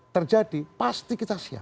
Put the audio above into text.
terjadi pasti kita siap